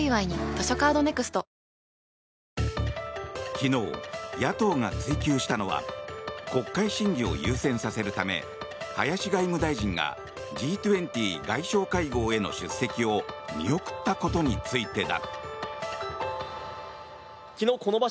昨日、野党が追及したのは国会審議を優先させるため林外務大臣がＧ２０外相会合への出席を見送ったことについてだ。